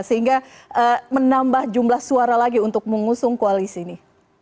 sehingga menambah jumlah suara lagi untuk mengusung koalisi ini